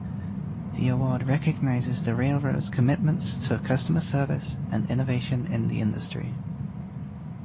The award recognizes the railroads' commitments to customer service and innovation in the industry.